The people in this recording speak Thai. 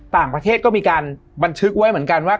ต่างประเทศก็มีการบันทึกไว้เหมือนกันว่า